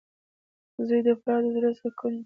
• زوی د پلار د زړۀ سکون وي.